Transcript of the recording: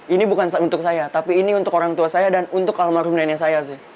ini bukan untuk saya tapi ini untuk orang tua saya dan untuk almarhum nenek saya sih